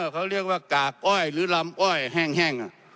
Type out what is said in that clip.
เขาเรียกว่ากากอ้อยหรือลำอ้อยแห้ง